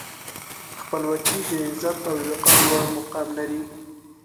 خپلواکي د عزت او وقار لوړ مقام لري.